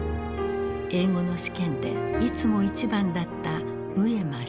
英語の試験でいつも一番だった上間繁子。